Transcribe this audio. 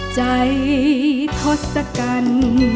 ใจทศกัณฐ์